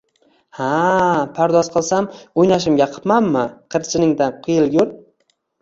Ha, pardoz qilsam, o‘ynashimga qipmanmi, qirchiningdan qiyilgur!